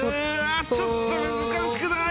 ちょっと難しくない？